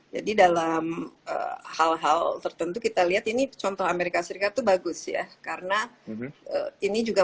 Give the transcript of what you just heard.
jadi dalam hal hal tertentu kita lihat ini contoh amerika serikat bagus ya karena ini juga